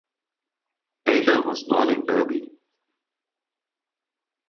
Taylor was born in Derby.